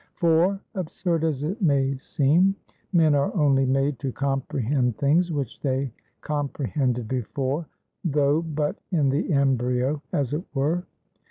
For absurd as it may seem men are only made to comprehend things which they comprehended before (though but in the embryo, as it were).